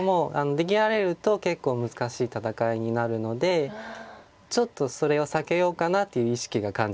出切られると結構難しい戦いになるのでちょっとそれを避けようかなっていう意識が感じます。